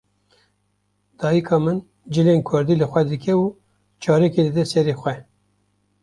Dayîka min cilên kurdî li xwe dike û çarikê dide sere xwe.